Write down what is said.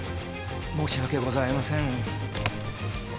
申し訳ございません。